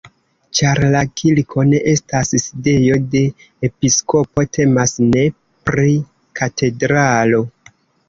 Ĉar la kirko ne estas sidejo de episkopo, temas ne pri katedralo.